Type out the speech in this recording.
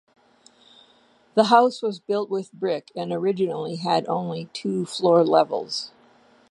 The house was built with brick and originally had only two floor levels.